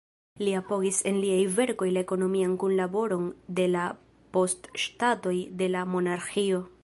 Li apogis en liaj verkoj la ekonomian kunlaboron de la post-ŝtatoj de la Monarĥio.